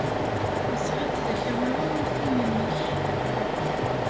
Yesɣa-d takamra am tin-nnek.